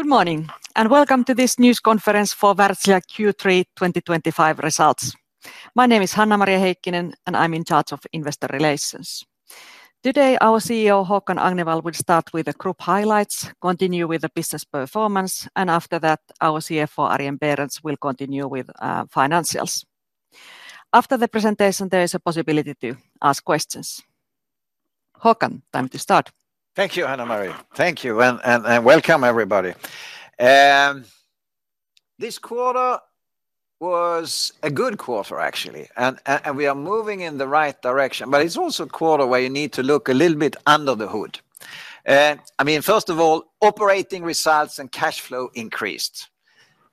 Good morning and welcome to this news conference for Wärtsilä Q3 2025 results. My name is Hanna-Maria Heikkinen and I'm in charge of Investor Relations. Today, our CEO Håkan Agnevall will start with the group highlights, continue with the business performance, and after that, our CFO Arjen Berends will continue with financials. After the presentation, there is a possibility to ask questions. Håkan, time to start. Thank you, Hanna-Maria. Thank you and welcome everybody. This quarter was a good quarter, actually, and we are moving in the right direction, but it's also a quarter where you need to look a little bit under the hood. I mean, first of all, operating results and cash flow increased.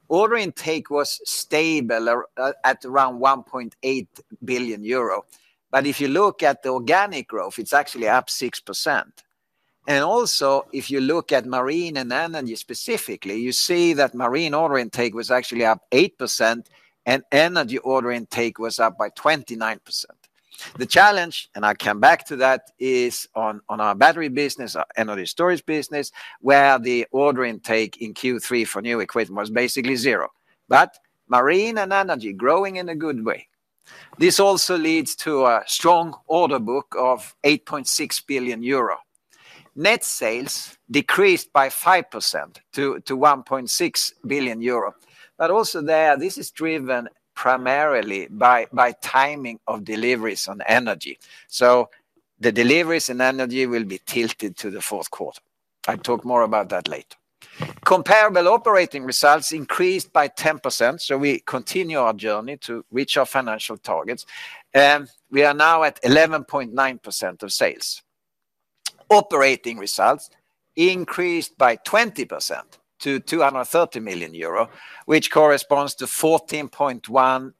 Order intake was stable at around 1.8 billion euro, but if you look at the organic growth, it's actually up 6%. Also, if you look at marine and energy specifically, you see that marine order intake was actually up 8% and energy order intake was up by 29%. The challenge, and I'll come back to that, is on our battery business, our energy storage business, where the order intake in Q3 for new equipment was basically zero. Marine and energy are growing in a good way. This also leads to a strong order book of 8.6 billion euro. Net sales decreased by 5% to 1.6 billion euro, but also there, this is driven primarily by timing of deliveries on energy. The deliveries in energy will be tilted to the fourth quarter. I'll talk more about that later. Comparable operating results increased by 10%, so we continue our journey to reach our financial targets. We are now at 11.9% of sales. Operating results increased by 20% to 230 million euro, which corresponds to 14.1%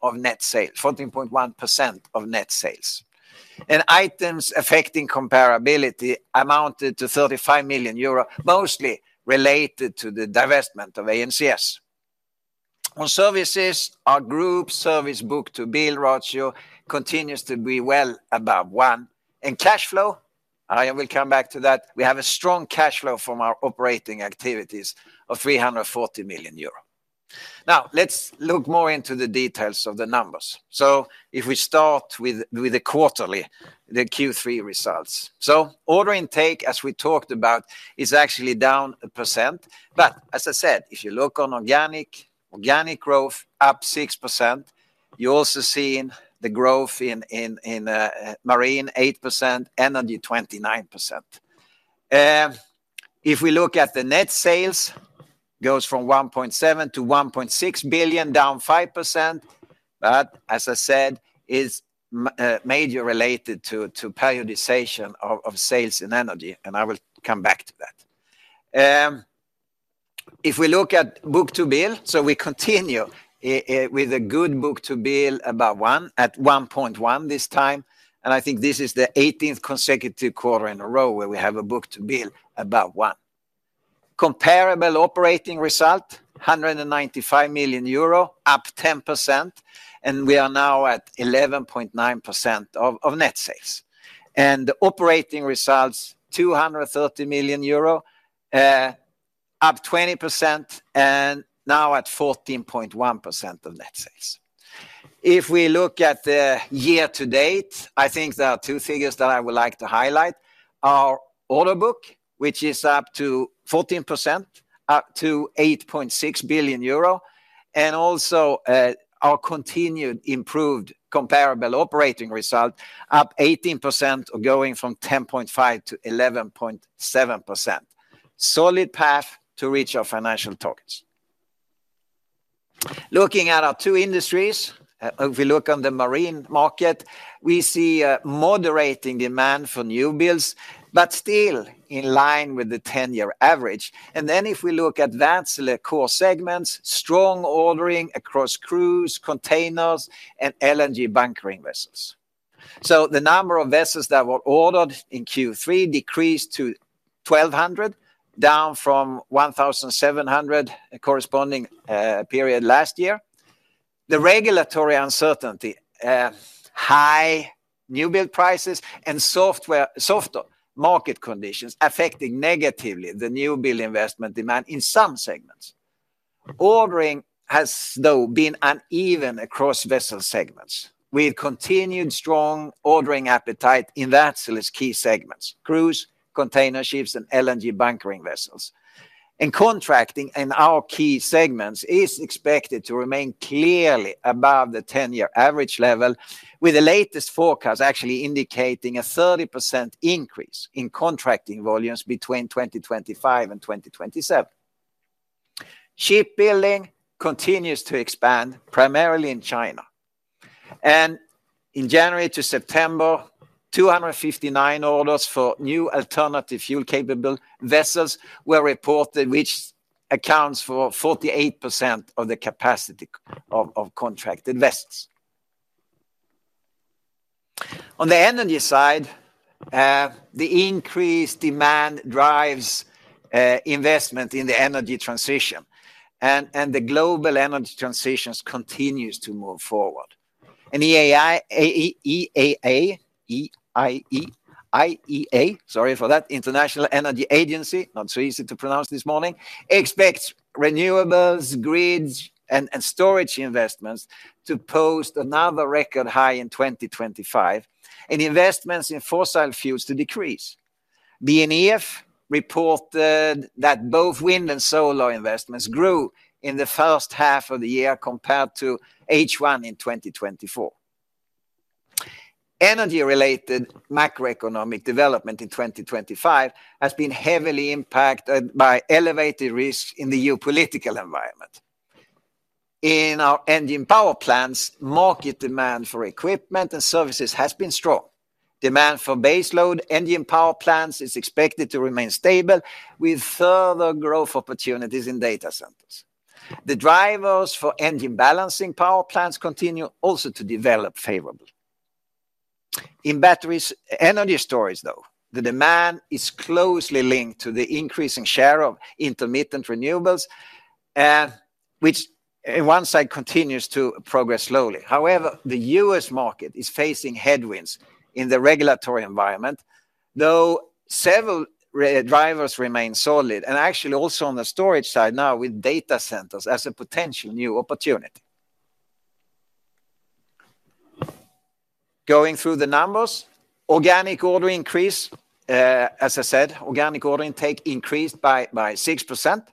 of net sales. Items affecting comparability amounted to 35 million euros, mostly related to the divestment of ANCS. On services, our group service book-to-bill ratio continues to be well above one. Cash flow, I will come back to that, we have a strong cash flow from our operating activities of 340 million euro. Now, let's look more into the details of the numbers. If we start with the quarterly, the Q3 results. Order intake, as we talked about, is actually down a percent, but as I said, if you look on organic growth, up 6%, you're also seeing the growth in marine 8%, energy 29%. If we look at the net sales, it goes from 1.7 billion-1.6 billion, down 5%, but as I said, it's majorly related to periodization of sales in energy, and I will come back to that. If we look at book-to-bill, we continue with a good book-to-bill, about one, at 1.1 this time, and I think this is the 18th consecutive quarter in a row where we have a book-to-bill about one. Comparable operating result, 195 million euro, up 10%, and we are now at 11.9% of net sales. The operating results, 230 million euro, up 20%, and now at 14.1% of net sales. If we look at the year to date, I think there are two figures that I would like to highlight: our order book, which is up 14%, up to 8.6 billion euro, and also our continued improved comparable operating result, up 18%, or going from 10.5% to 11.7%. Solid path to reach our financial targets. Looking at our two industries, if we look on the marine market, we see moderating demand for new builds, but still in line with the 10-year average. If we look at Wärtsilä's core segments, strong ordering across cruise, container, and LNG bunkering vessels. The number of vessels that were ordered in Q3 decreased to 1,200, down from 1,700 in the corresponding period last year. The regulatory uncertainty, high new build prices, and softer market conditions are affecting negatively the new build investment demand in some segments. Ordering has though been uneven across vessel segments, with continued strong ordering appetite in Wärtsilä's key segments: cruise, container ships, and LNG bunkering vessels. Contracting in our key segments is expected to remain clearly above the 10-year average level, with the latest forecast actually indicating a 30% increase in contracting volumes between 2025 and 2027. Shipbuilding continues to expand, primarily in China. In January to September, 259 orders for new alternative fuel-capable vessels were reported, which accounts for 48% of the capacity of contracted vessels. On the energy side, the increased demand drives investment in the energy transition, and the global energy transition continues to move forward. The International Energy Agency expects renewables, grids, and storage investments to post another record high in 2025, and investments in fossil fuels to decrease. BNEF reported that both wind and solar investments grew in the first half of the year compared to H1 in 2024. Energy-related macroeconomic development in 2025 has been heavily impacted by elevated risks in the geopolitical environment. In our engine power plants, market demand for equipment and services has been strong. Demand for baseload engine power plants is expected to remain stable, with further growth opportunities in data centers. The drivers for engine balancing power plants continue also to develop favorably. In battery energy storage, though, the demand is closely linked to the increasing share of intermittent renewables, which on one side continues to progress slowly. However, the U.S. market is facing headwinds in the regulatory environment, though several drivers remain solid, and actually also on the storage side now, with data centers as a potential new opportunity. Going through the numbers, organic order increase, as I said, organic order intake increased by 6%.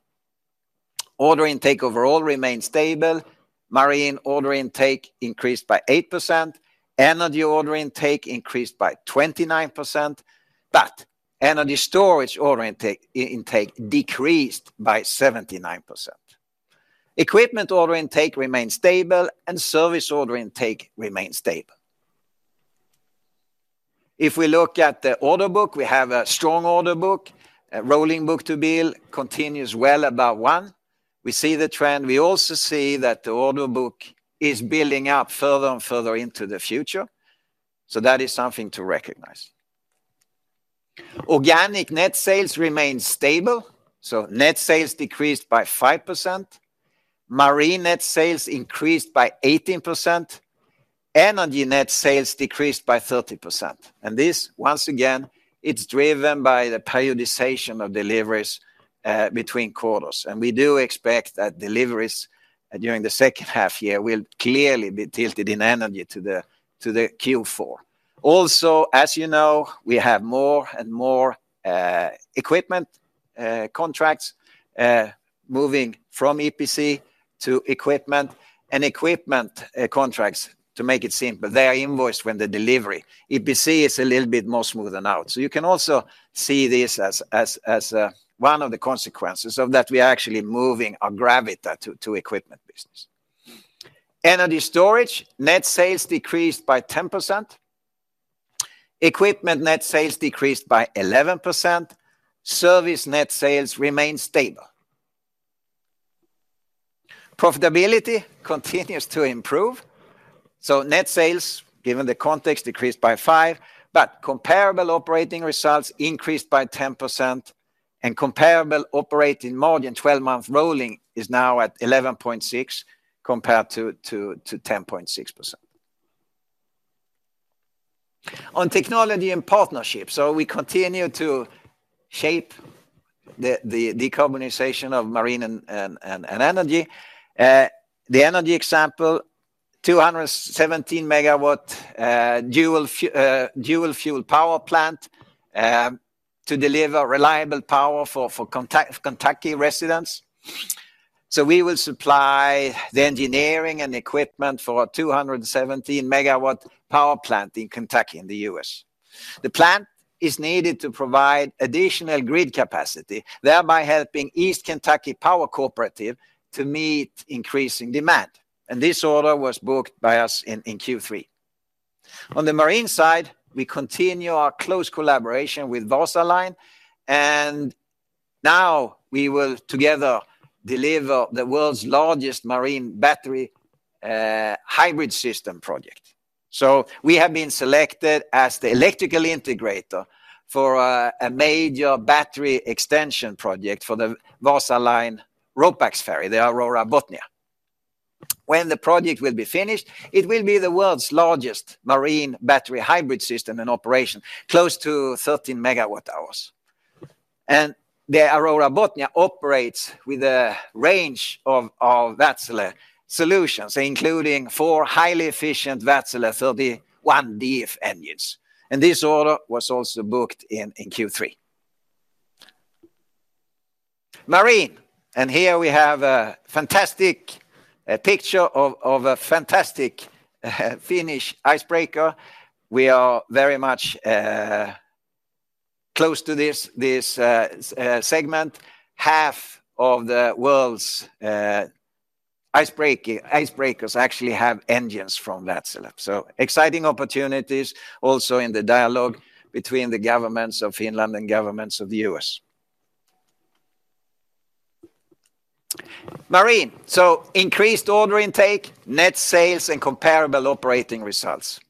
Order intake overall remains stable. Marine order intake increased by 8%. Energy order intake increased by 29%. Energy storage order intake decreased by 79%. Equipment order intake remains stable, and service order intake remains stable. If we look at the order book, we have a strong order book. Rolling book-to-bill continues well above one. We see the trend. We also see that the order book is building up further and further into the future. That is something to recognize. Organic net sales remain stable. Net sales decreased by 5%. Marine net sales increased by 18%. Energy net sales decreased by 30%. This, once again, is driven by the periodization of deliveries between quarters. We do expect that deliveries during the second half year will clearly be tilted in energy to Q4. Also, as you know, we have more and more equipment contracts moving from EPC to equipment, and equipment contracts, to make it simple, they are invoiced when the delivery. EPC is a little bit more smoothed out. You can also see this as one of the consequences of that. We are actually moving our gravity to the equipment business. Energy storage net sales decreased by 10%. Equipment net sales decreased by 11%. Service net sales remain stable. Profitability continues to improve. Net sales, given the context, decreased by 5%. Comparable operating result increased by 10%. Comparable operating margin 12-month rolling is now at 11.6% compared to 10.6%. On technology and partnerships, we continue to shape the decarbonization of marine and energy. The energy example, 217 MW dual fuel power plant to deliver reliable power for Kentucky residents. We will supply the engineering and equipment for a 217 MW power plant in Kentucky in the U.S. The plant is needed to provide additional grid capacity, thereby helping East Kentucky Power Cooperative to meet increasing demand. This order was booked by us in Q3. On the marine side, we continue our close collaboration with Wasaline. We will together deliver the world's largest marine battery hybrid system project. We have been selected as the electrical integrator for a major battery extension project for the Wasaline RoPax ferry, the Aurora Botnia. When the project is finished, it will be the world's largest marine battery hybrid system in operation, close to 13 MW hours. The Aurora Botnia operates with a range of Wärtsilä solutions, including four highly efficient Wärtsilä 31DF engines. This order was also booked in Q3. Marine, and here we have a fantastic picture of a fantastic Finnish icebreaker. We are very much close to this segment. Half of the world's icebreakers actually have engines from Wärtsilä. There are exciting opportunities also in the dialogue between the governments of Finland and the U.S. Marine, increased order intake, net sales, and comparable operating results.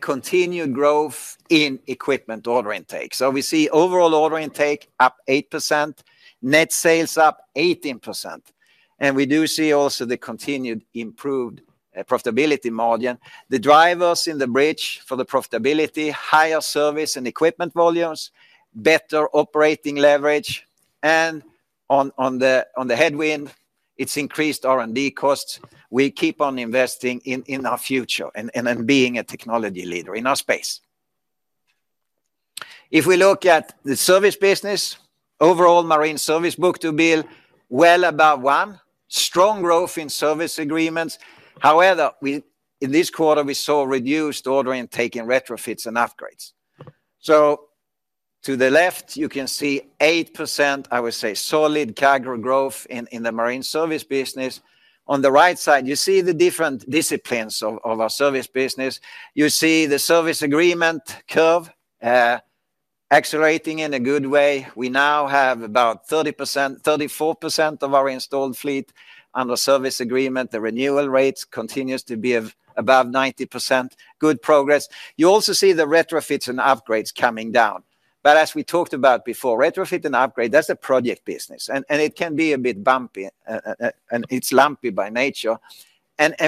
Continued growth in equipment order intake. Overall order intake is up 8%, net sales up 18%. We also see the continued improved profitability margin. The drivers in the bridge for the profitability are higher service and equipment volumes, better operating leverage, and on the headwind, it's increased R&D costs. We keep on investing in our future and being a technology leader in our space. If we look at the service business, overall marine service book-to-bill is well above one. Strong growth in service agreements. However, in this quarter, we saw reduced order intake in retrofits and upgrades. To the left, you can see 8% solid CAGR growth in the marine service business. On the right side, you see the different disciplines of our service business. You see the service agreement curve accelerating in a good way. We now have about 34% of our installed fleet under service agreement. The renewal rates continue to be above 90%. Good progress. You also see the retrofits and upgrades coming down. As we talked about before, retrofit and upgrade is a project business. It can be a bit bumpy, and it's lumpy by nature.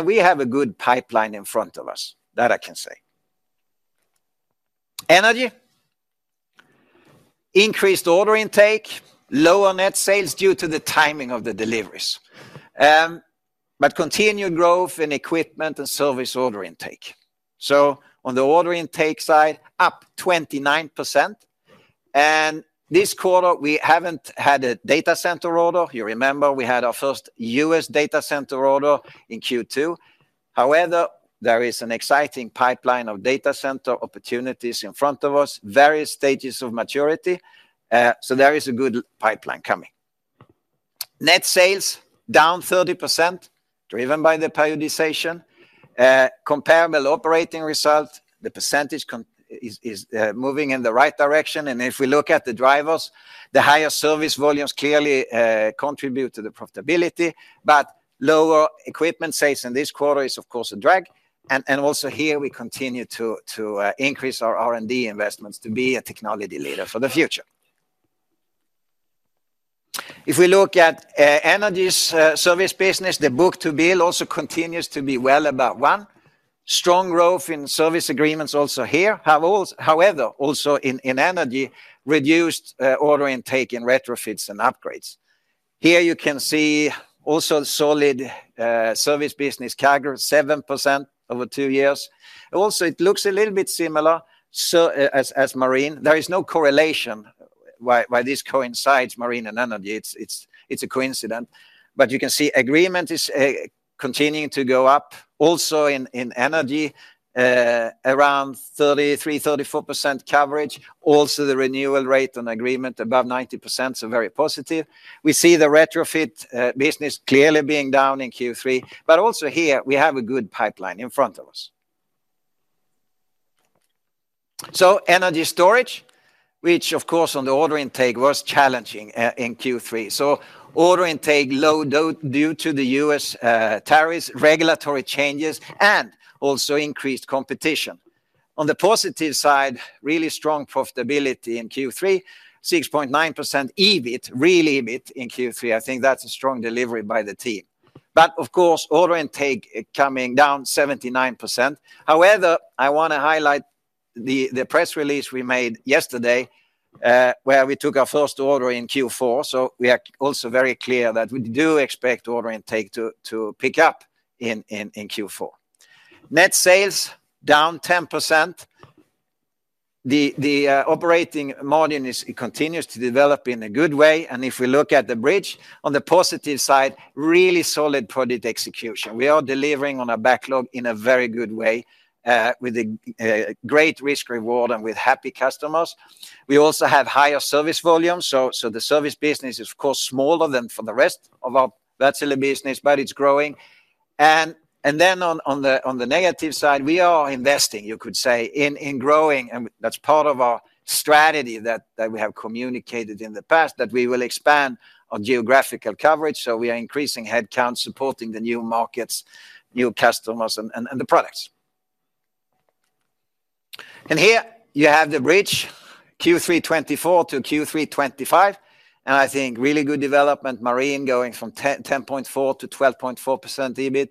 We have a good pipeline in front of us, that I can say. Energy, increased order intake, lower net sales due to the timing of the deliveries. Continued growth in equipment and service order intake. On the order intake side, up 29%. This quarter, we haven't had a data center order. You remember, we had our first U.S. data center order in Q2. There is an exciting pipeline of data center opportunities in front of us, various stages of maturity. There is a good pipeline coming. Net sales, down 30%, driven by the periodization. Comparable operating results, the percentage is moving in the right direction. If we look at the drivers, the higher service volumes clearly contribute to the profitability. Lower equipment sales in this quarter is, of course, a drag. Also here, we continue to increase our R&D investments to be a technology leader for the future. If we look at energy service business, the book-to-bill also continues to be well above one. Strong growth in service agreements also here. However, also in energy, reduced order intake in retrofits and upgrades. Here you can see also a solid service business CAGR, 7% over two years. It looks a little bit similar as marine. There is no correlation why this coincides, marine and energy. It's a coincidence. You can see agreement is continuing to go up. Also in energy, around 33%, 34% coverage. The renewal rate on agreement above 90% is very positive. We see the retrofit business clearly being down in Q3. We have a good pipeline in front of us. Energy storage, which of course on the order intake was challenging in Q3. Order intake low due to the U.S. tariffs, regulatory changes, and also increased competition. On the positive side, really strong profitability in Q3, 6.9% EBIT, real EBIT in Q3. I think that's a strong delivery by the team. Order intake coming down 79%. I want to highlight the press release we made yesterday where we took our first order in Q4. We are also very clear that we do expect order intake to pick up in Q4. Net sales down 10%. The operating margin continues to develop in a good way. If we look at the bridge, on the positive side, really solid project execution. We are delivering on our backlog in a very good way with a great risk reward and with happy customers. We also have higher service volumes. The service business is, of course, smaller than for the rest of our Wärtsilä business, but it's growing. On the negative side, we are investing, you could say, in growing. That's part of our strategy that we have communicated in the past, that we will expand our geographical coverage. We are increasing headcount, supporting the new markets, new customers, and the products. Here you have the bridge, Q3 2024 to Q3 2025. I think really good development, marine going from 10.4%-12.4% EBIT,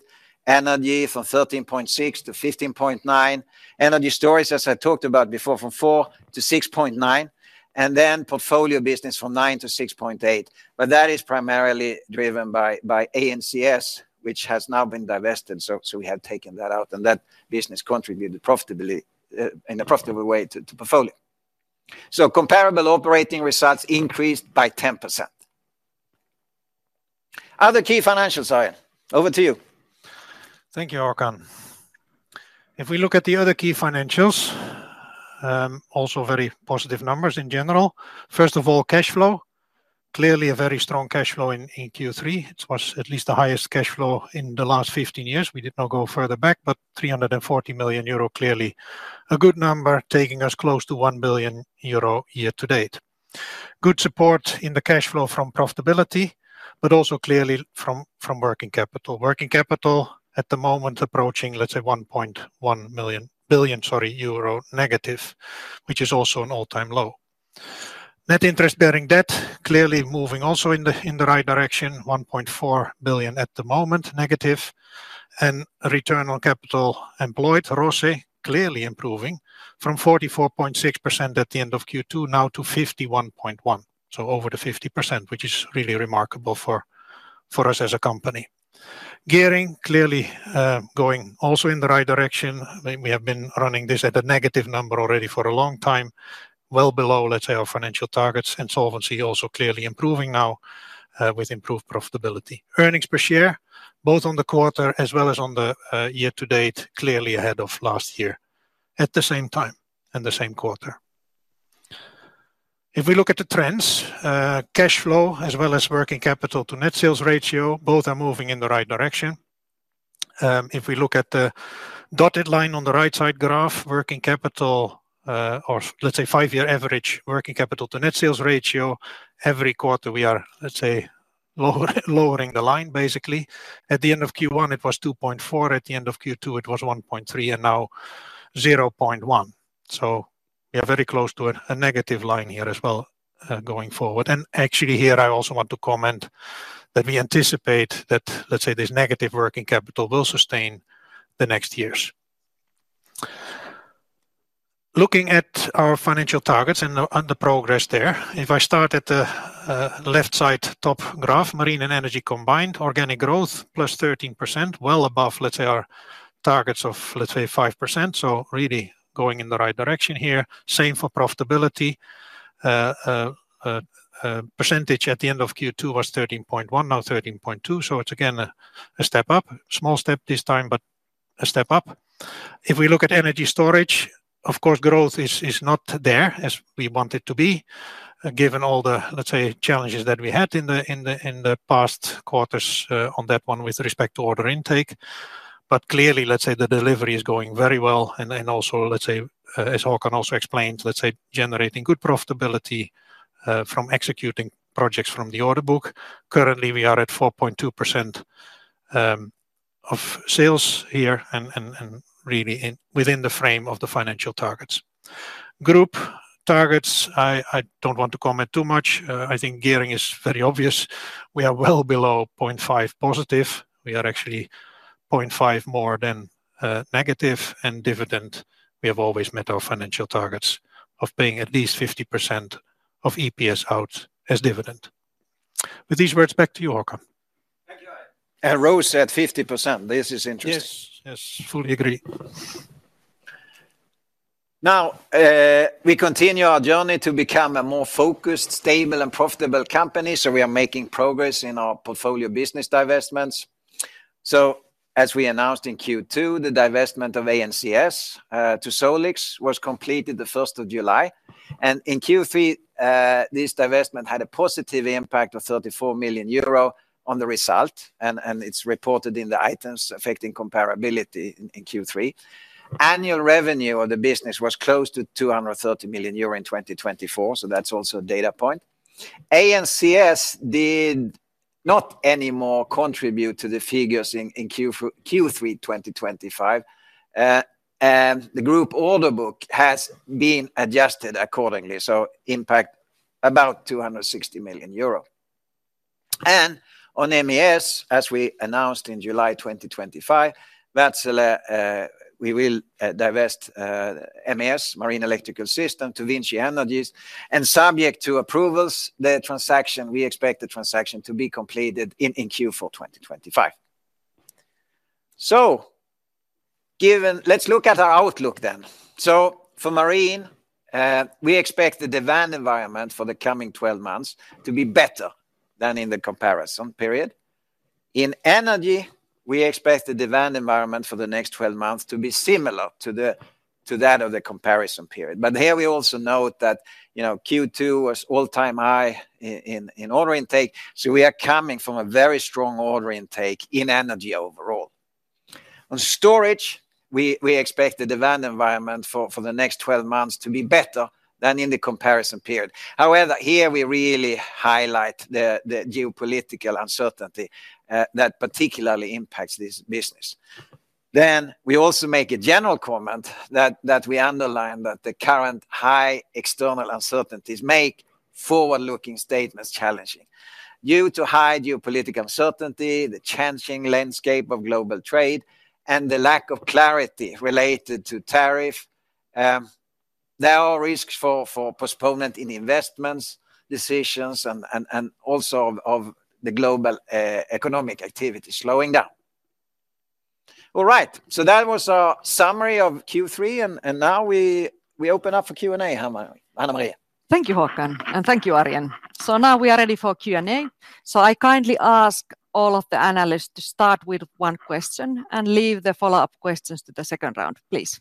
energy from 13.6%-15.9%, energy storage, as I talked about before, from 4%-6.9%, and then portfolio business from 9%-6.8%. That is primarily driven by ANCS, which has now been divested. We have taken that out, and that business contributed in a profitable way to portfolio. Comparable operating results increased by 10%. Other key financials, Arjen, over to you. Thank you, Håkan. If we look at the other key financials, also very positive numbers in general. First of all, cash flow, clearly a very strong cash flow in Q3. It was at least the highest cash flow in the last 15 years. We did not go further back, but 340 million euro, clearly a good number, taking us close to 1 billion euro year to date. Good support in the cash flow from profitability, but also clearly from working capital. Working capital at the moment approaching, let's say, 1.1 billion-, which is also an all-time low. Net interest-bearing debt, clearly moving also in the right direction, 1.4 billion at the moment negative. Return on capital employed, ROCE, clearly improving from 44.6% at the end of Q2, now to 51.1%. Over the 50%, which is really remarkable for us as a company. Gearing clearly going also in the right direction. We have been running this at a negative number already for a long time, well below, let's say, our financial targets. Solvency also clearly improving now with improved profitability. Earnings per share, both on the quarter as well as on the year to date, clearly ahead of last year at the same time and the same quarter. If we look at the trends, cash flow as well as working capital to net sales ratio, both are moving in the right direction. If we look at the dotted line on the right side graph, working capital, or let's say five-year average working capital to net sales ratio, every quarter we are, let's say, lowering the line, basically. At the end of Q1, it was 2.4%. At the end of Q2, it was 1.3%. Now 0.1%. We are very close to a negative line here as well going forward. Actually here, I also want to comment that we anticipate that, let's say, this negative working capital will sustain the next years. Looking at our financial targets and the progress there, if I start at the left side top graph, marine and energy combined, organic growth plus 13%, well above, let's say, our targets of, let's say, 5%. Really going in the right direction here. Same for profitability. Percentage at the end of Q2 was 13.1%, now 13.2%. It's again a step up. Small step this time, but a step up. If we look at energy storage, of course, growth is not there as we want it to be, given all the, let's say, challenges that we had in the past quarters on that one with respect to order intake. Clearly, let's say, the delivery is going very well. As Håkan also explained, generating good profitability from executing projects from the order book. Currently, we are at 4.2% of sales here and really within the frame of the financial targets. Group targets, I don't want to comment too much. I think gearing is very obvious. We are well below 0.5% positive. We are actually 0.5% more than negative. Dividend, we have always met our financial targets of paying at least 50% of EPS out as dividend. With these words, back to you, Håkan. ROCE at 50%. This is interesting. Yes, yes, fully agree. Now, we continue our journey to become a more focused, stable, and profitable company. We are making progress in our portfolio business divestments. As we announced in Q2, the divestment of ANCS to Solix was completed on 1st July. In Q3, this divestment had a positive impact of 34 million euro on the result, and it's reported in the items affecting comparability in Q3. Annual revenue of the business was close to 230 million euro in 2024. That's also a data point. ANCS did not anymore contribute to the figures in Q3 2025, and the group order book has been adjusted accordingly, so impact about €260 million. On MES, as we announced in July 2025, Wärtsilä will divest MES, Marine Electrical System, to VINCI Energies. Subject to approvals, we expect the transaction to be completed in Q4 2025. Let's look at our outlook then. For marine, we expect the demand environment for the coming 12 months to be better than in the comparison period. In energy, we expect the demand environment for the next 12 months to be similar to that of the comparison period. Here we also note that Q2 was an all-time high in order intake, so we are coming from a very strong order intake in energy overall. On storage, we expect the demand environment for the next 12 months to be better than in the comparison period. However, here we really highlight the geopolitical uncertainty that particularly impacts this business. We also make a general comment that we underline that the current high external uncertainties make forward-looking statements challenging. Due to high geopolitical uncertainty, the changing landscape of global trade, and the lack of clarity related to tariff, there are risks for postponement in investments, decisions, and also of the global economic activity slowing down. All right, that was our summary of Q3. Now we open up for Q&A, Hanna-Maria. Thank you, Håkan, and thank you, Arjen. Now we are ready for Q&A. I kindly ask all of the analysts to start with one question and leave the follow-up questions to the second round, please.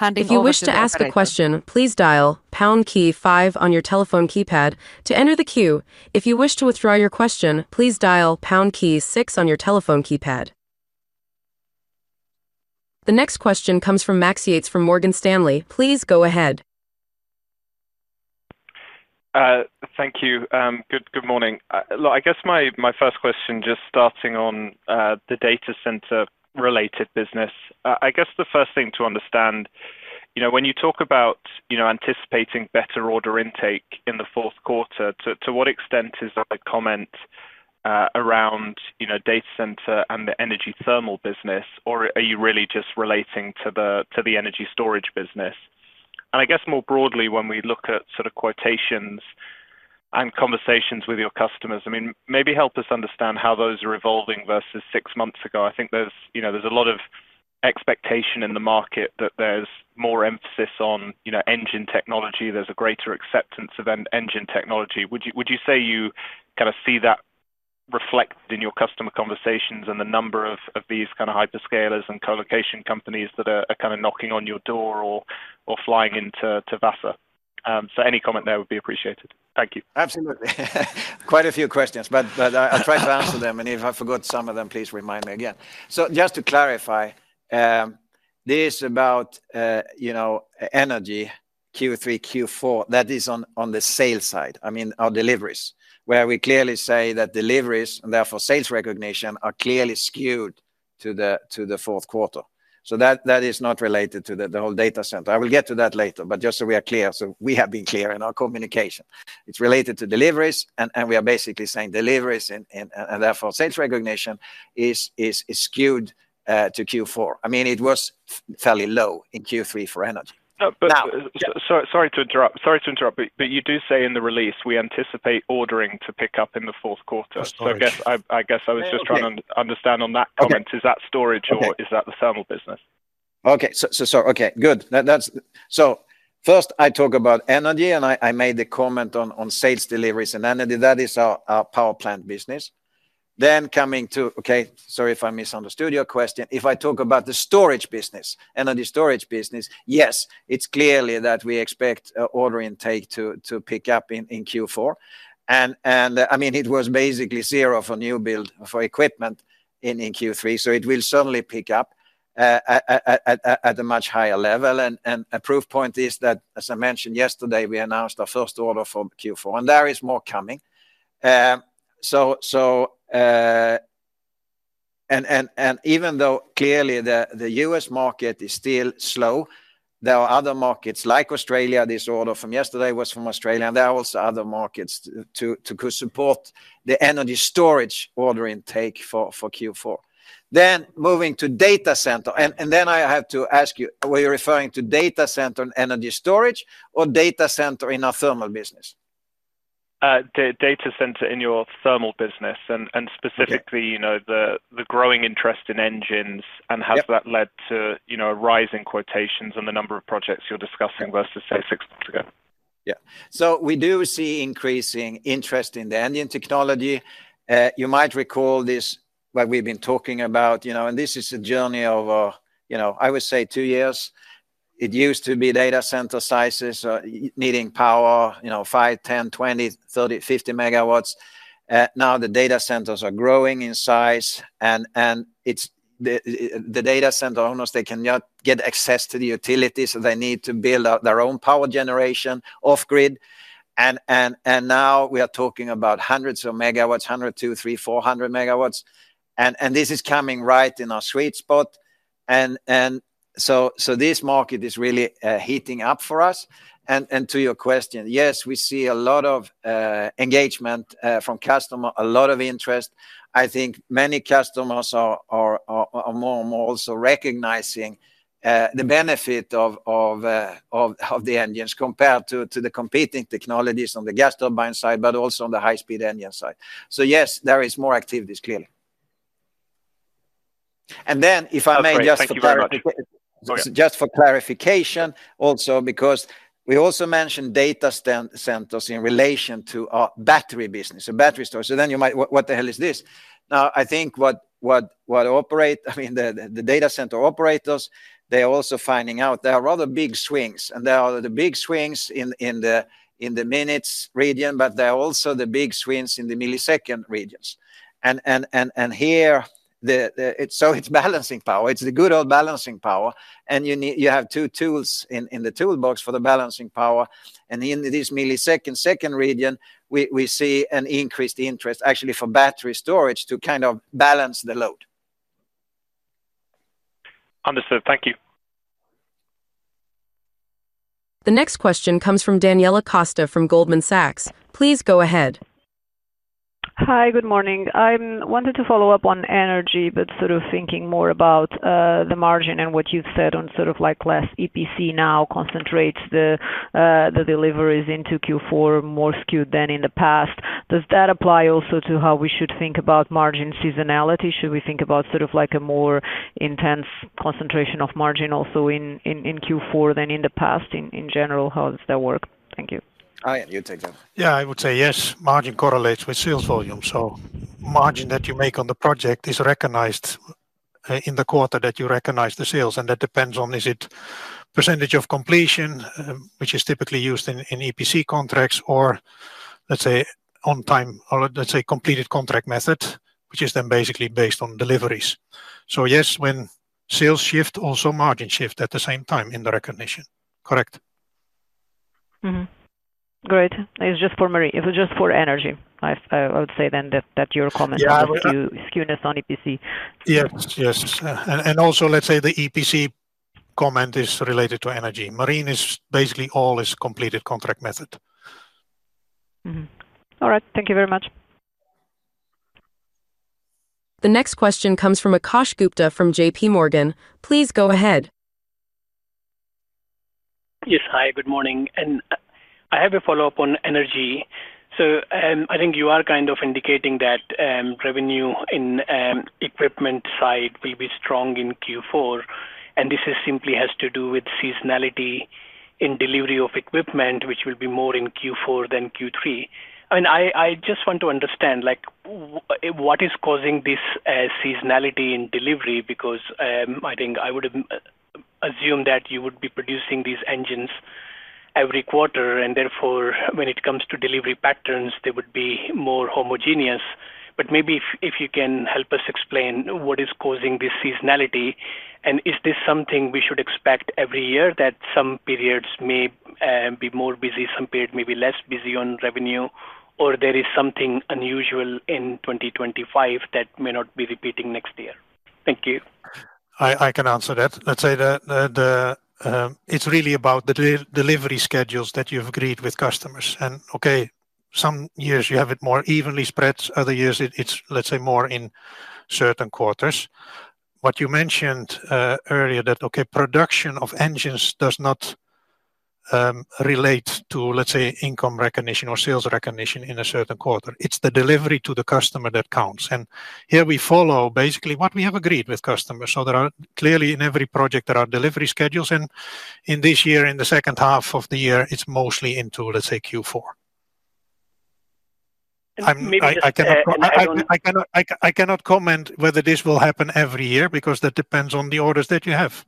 If you wish to ask a question, please dial pound key five on your telephone keypad to enter the queue. If you wish to withdraw your question, please dial pound key six on your telephone keypad. The next question comes from Max Yates from Morgan Stanley. Please go ahead. Thank you. Good morning. I guess my first question, just starting on the data center related business, the first thing to understand, you know, when you talk about anticipating better order intake in the fourth quarter, to what extent is the comment around data center and the energy thermal business, or are you really just relating to the energy storage business? More broadly, when we look at sort of quotations and conversations with your customers, maybe help us understand how those are evolving versus six months ago. I think there's a lot of expectation in the market that there's more emphasis on engine technology. There's a greater acceptance of engine technology. Would you say you kind of see that reflected in your customer conversations and the number of these kind of hyperscalers and colocation companies that are kind of knocking on your door or flying into Vaasa? Any comment there would be appreciated. Thank you. Absolutely. Quite a few questions, but I'll try to answer them. If I forgot some of them, please remind me again. Just to clarify, this is about energy Q3, Q4. That is on the sales side. I mean, our deliveries, where we clearly say that deliveries and therefore sales recognition are clearly skewed to the fourth quarter. That is not related to the whole data center. I will get to that later, just so we are clear. We have been clear in our communication. It's related to deliveries, and we are basically saying deliveries and therefore sales recognition is skewed to Q4. I mean, it was fairly low in Q3 for energy. Sorry to interrupt, but you do say in the release, we anticipate ordering to pick up in the fourth quarter. I guess I was just trying to understand on that comment. Is that storage or is that the thermal business? Okay, good. First, I talk about energy, and I made the comment on sales deliveries and energy. That is our power plant business. Coming to, if I talk about the energy storage business, yes, it's clearly that we expect order intake to pick up in Q4. I mean, it was basically zero for new build for equipment in Q3. It will certainly pick up at a much higher level. A proof point is that, as I mentioned yesterday, we announced our first order for Q4, and there is more coming. Even though clearly the U.S. market is still slow, there are other markets like Australia. This order from yesterday was from Australia, and there are also other markets to support the energy storage order intake for Q4. Moving to data center, I have to ask you, were you referring to data center and energy storage or data center in our thermal business? Data center in your thermal business, and specifically, you know, the growing interest in engines, has that led to a rise in quotations on the number of projects you're discussing versus, say, six months ago? Yeah, we do see increasing interest in the engine technology. You might recall this, what we've been talking about, and this is a journey of, I would say, two years. It used to be data center sizes needing power, 5, 10, 20, 30, 50 MW. Now the data centers are growing in size, and the data center owners cannot get access to the utilities, so they need to build out their own power generation off-grid. Now we are talking about hundreds of megawatts, 102, 300, 400 MW. This is coming right in our sweet spot. This market is really heating up for us. To your question, yes, we see a lot of engagement from customers, a lot of interest. I think many customers are more and more also recognizing the benefit of the engines compared to the competing technologies on the gas turbine side, but also on the high-speed engine side. Yes, there is more activity clearly. If I may just for clarification, also because we also mentioned data centers in relation to our battery business, the battery storage. You might think, what the hell is this? Now I think what operates, I mean, the data center operators are also finding out there are other big swings, and there are the big swings in the minutes region, but there are also the big swings in the millisecond regions. Here, it's balancing power. It's the good old balancing power. You have two tools in the toolbox for the balancing power. In this millisecond second region, we see an increased interest actually for battery storage to kind of balance the load. Understood. Thank you. The next question comes from Daniela Costa from Goldman Sachs. Please go ahead. Hi, good morning. I wanted to follow up on energy, but sort of thinking more about the margin and what you've said on sort of like less EPC now concentrates the deliveries into Q4, more skewed than in the past. Does that apply also to how we should think about margin seasonality? Should we think about sort of like a more intense concentration of margin also in Q4 than in the past? In general, how does that work? Thank you. Arjen. You take it. Yeah, I would say yes. Margin correlates with sales volume. Margin that you make on the project is recognized in the quarter that you recognize the sales. That depends on is it a percentage of completion, which is typically used in EPC contracts, or let's say on time, or let's say completed contract method, which is then basically based on deliveries. Yes, when sales shift, also margin shifts at the same time in the recognition. Correct. Great. It was just for Marine. If it was just for energy, I would say that your comment was skewness on EPC. Yes, yes. The EPC comment is related to energy. Marine is basically all is completed contract method. All right. Thank you very much. The next question comes from Akash Gupta from JPMorgan. Please go ahead. Yes, hi. Good morning. I have a follow-up on energy. I think you are kind of indicating that revenue in equipment side will be strong in Q4. This simply has to do with seasonality in delivery of equipment, which will be more in Q4 than Q3. I just want to understand what is causing this seasonality in delivery because I think I would have assumed that you would be producing these engines every quarter. Therefore, when it comes to delivery patterns, they would be more homogeneous. Maybe if you can help us explain what is causing this seasonality and is this something we should expect every year, that some periods may be more busy, some periods may be less busy on revenue, or there is something unusual in 2025 that may not be repeating next year. Thank you. I can answer that. Let's say that it's really about the delivery schedules that you've agreed with customers. Some years you have it more evenly spread. Other years, it's more in certain quarters. What you mentioned earlier, that production of engines does not relate to income recognition or sales recognition in a certain quarter. It's the delivery to the customer that counts. Here we follow basically what we have agreed with customers. There are clearly in every project, there are delivery schedules. In this year, in the second half of the year, it's mostly into Q4. I cannot comment whether this will happen every year because that depends on the orders that you have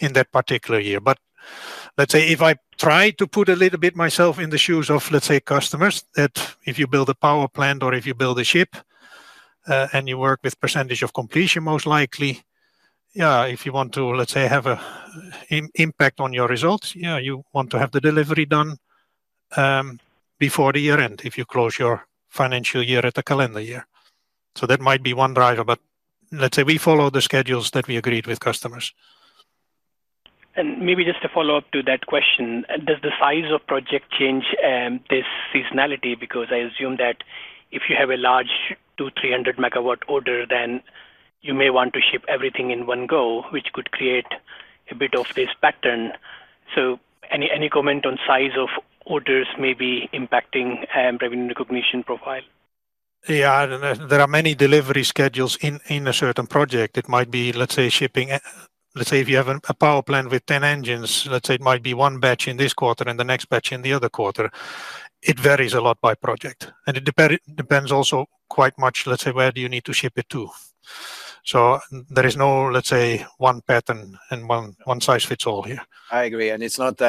in that particular year. If I try to put a little bit myself in the shoes of customers, that if you build a power plant or if you build a ship and you work with a percentage of completion, most likely, if you want to have an impact on your results, you want to have the delivery done before the year end if you close your financial year at a calendar year. That might be one driver, but we follow the schedules that we agreed with customers. Maybe just to follow up to that question, does the size of the project change this seasonality? I assume that if you have a large 200, 300 MW order, then you may want to ship everything in one go, which could create a bit of this pattern. Any comment on size of orders may be impacting revenue recognition profile? There are many delivery schedules in a certain project. It might be, let's say, shipping, let's say if you have a power plant with 10 engines, it might be one batch in this quarter and the next batch in the other quarter. It varies a lot by project. It depends also quite much, let's say, where do you need to ship it to? There is no, let's say, one pattern and one size fits all here. I agree. It's not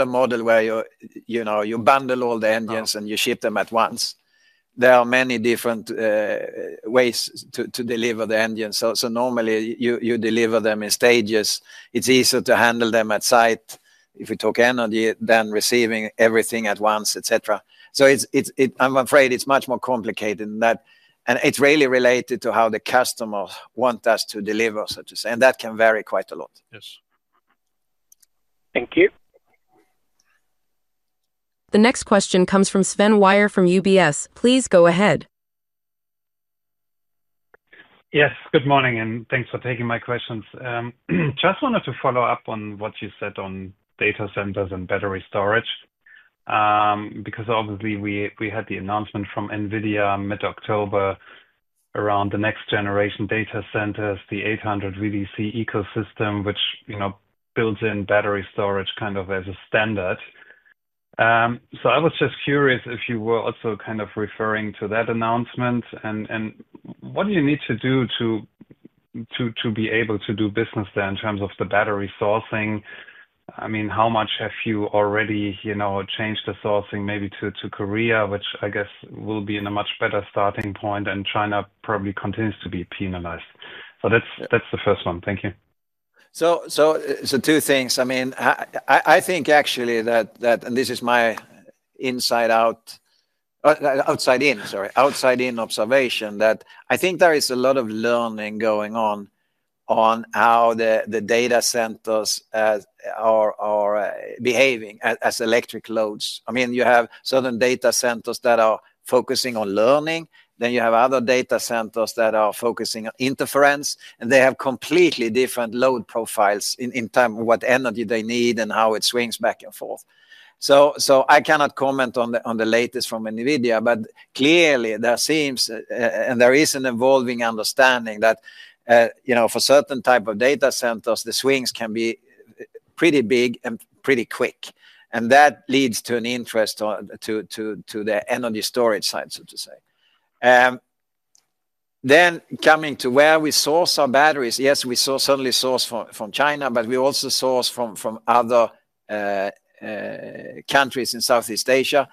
a model where you bundle all the engines and you ship them at once. There are many different ways to deliver the engines. Normally you deliver them in stages. It's easier to handle them at site. If we talk energy, then receiving everything at once, etc. I'm afraid it's much more complicated than that. It's really related to how the customers want us to deliver, so to say. That can vary quite a lot. Yes. Thank you. The next question comes from Sven Weier from UBS. Please go ahead. Yes, good morning and thanks for taking my questions. Just wanted to follow up on what you said on data centers and battery storage. Obviously, we had the announcement from NVIDIA mid-October around the next generation data centers, the 800 VDC ecosystem, which builds in battery storage as a standard. I was just curious if you were also referring to that announcement. What do you need to do to be able to do business there in terms of the battery sourcing? How much have you already changed the sourcing maybe to Korea, which I guess will be a much better starting point, and China probably continues to be penalized. That's the first one. Thank you. Two things. I think actually that, and this is my outside in observation, that I think there is a lot of learning going on on how the data centers are behaving as electric loads. You have certain data centers that are focusing on learning. You have other data centers that are focusing on interference. They have completely different load profiles in terms of what energy they need and how it swings back and forth. I cannot comment on the latest from NVIDIA, but clearly there seems, and there is an evolving understanding that for certain types of data centers, the swings can be pretty big and pretty quick. That leads to an interest to the energy storage side, so to say. Coming to where we source our batteries, yes, we certainly source from China, but we also source from other countries in Southeast Asia.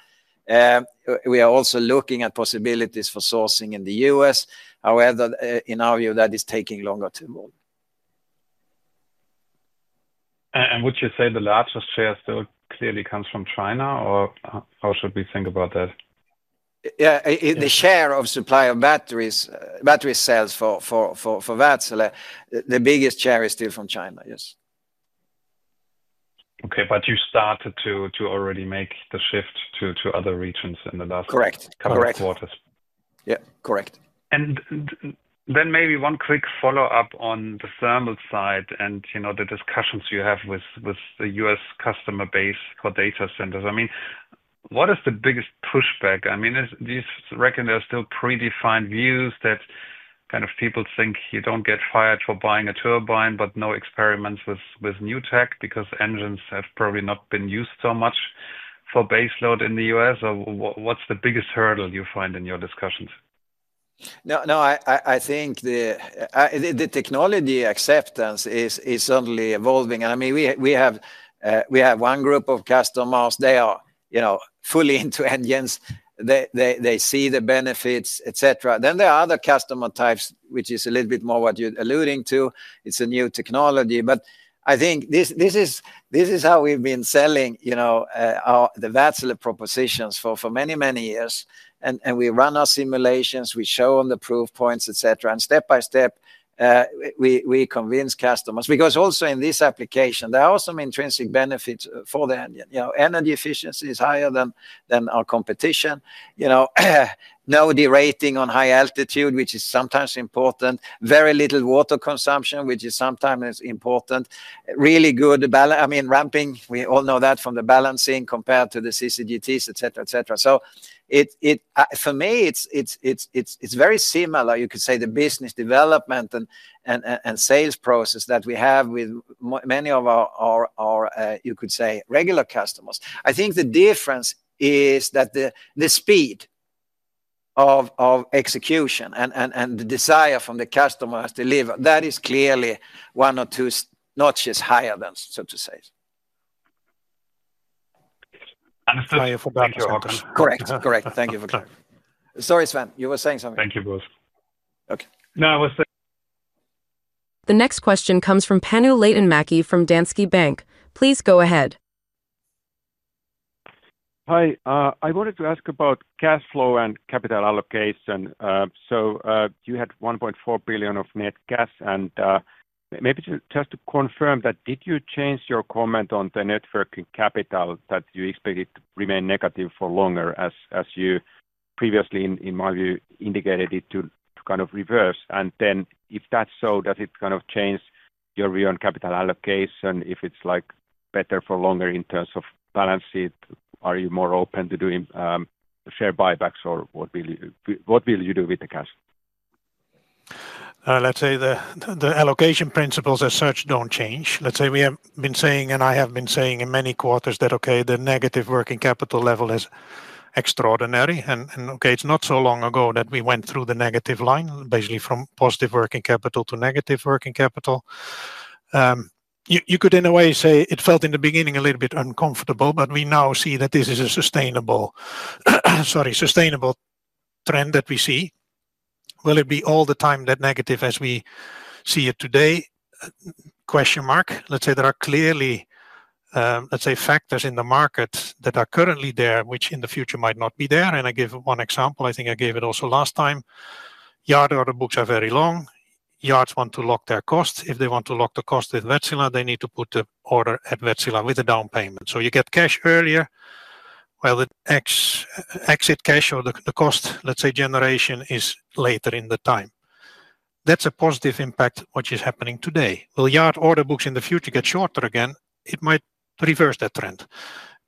We are also looking at possibilities for sourcing in the U.S. However, in our view, that is taking longer to evolve. Would you say the largest share still clearly comes from China, or how should we think about that? Yeah, the share of supply of battery cells for Wärtsilä, the biggest share is still from China, yes. Okay, you started to already make the shift to other regions in the last couple of quarters. Correct, correct. Maybe one quick follow-up on the thermal side and the discussions you have with the U.S. customer base for data centers. What is the biggest pushback? Do you reckon there are still predefined views that kind of people think you don't get fired for buying a turbine, but no experiments with new tech because engines have probably not been used so much for baseload in the U.S.? What's the biggest hurdle you find in your discussions? No, I think the technology acceptance is certainly evolving. I mean, we have one group of customers, they are fully into engines. They see the benefits, etc. There are other customer types, which is a little bit more what you're alluding to. It's a new technology. I think this is how we've been selling the Wärtsilä propositions for many, many years. We run our simulations, we show them the proof points, etc. Step by step, we convince customers because also in this application, there are some intrinsic benefits for the engine. Energy efficiency is higher than our competition. You know, no derating on high altitude, which is sometimes important. Very little water consumption, which is sometimes important. Really good, I mean, ramping, we all know that from the balancing compared to the CCGTs, etc. For me, it's very similar, you could say, the business development and sales process that we have with many of our, you could say, regular customers. I think the difference is that the speed of execution and the desire from the customer to deliver, that is clearly one or two notches higher than, so to say. Understood. Thank you, Håkan. Correct, correct. Thank you for clarifying. Sorry, Sven, you were saying something. Thank you both. Okay. The next question comes from Panu Laitinmäki from Danske Bank. Please go ahead. Hi, I wanted to ask about cash flow and capital allocation. You had $1.4 billion of net cash, and maybe just to confirm that, did you change your comment on the working capital that you expected to remain negative for longer as you previously, in my view, indicated it to kind of reverse? If that's so, does it kind of change your view on capital allocation if it's like better for longer in terms of balance sheet? Are you more open to doing share buybacks, or what will you do with the cash? Let's say the allocation principles as such don't change. I have been saying in many quarters that, okay, the negative working capital level is extraordinary. It's not so long ago that we went through the negative line, basically from positive working capital to negative working capital. You could in a way say it felt in the beginning a little bit uncomfortable, but we now see that this is a sustainable, sorry, sustainable trend that we see. Will it be all the time that negative as we see it today? There are clearly factors in the market that are currently there, which in the future might not be there. I give one example. I think I gave it also last time. Yard order books are very long. Yards want to lock their costs. If they want to lock the cost with Wärtsilä, they need to put the order at Wärtsilä with a down payment. You get cash earlier. The exit cash or the cost generation is later in the time. That's a positive impact on what is happening today. Will yard order books in the future get shorter again? It might reverse that trend.